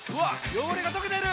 汚れが溶けてる！